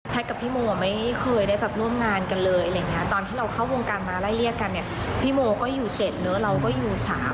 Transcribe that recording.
กับพี่โมอ่ะไม่เคยได้แบบร่วมงานกันเลยอะไรอย่างเงี้ยตอนที่เราเข้าวงการมาไล่เรียกกันเนี่ยพี่โมก็อยู่๗เนอะเราก็อยู่๓